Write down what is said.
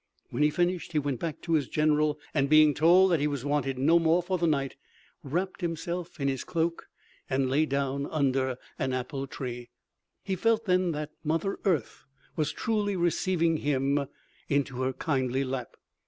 When he finished he went back to his general, and being told that he was wanted no more for the night, wrapped himself in his cloak and lay down under an apple tree. He felt then that mother earth was truly receiving him into her kindly lap.